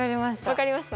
分かりました？